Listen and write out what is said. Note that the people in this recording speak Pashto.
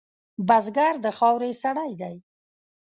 بزګر د خاورې سړی دی